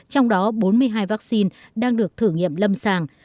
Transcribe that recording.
trong đó bốn mươi hai vaccine đang được thử nghiệm lâm sàng